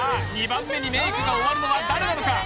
２番目にメイクが終わるのは誰なのか？